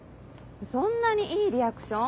そんなにいいリアクション？